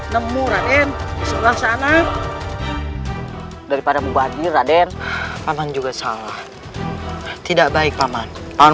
namun adek selang sana daripada menghadir adek paman juga salah tidak baik paman paman